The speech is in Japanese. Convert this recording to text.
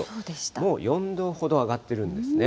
もう４度ほど上がってるんですね。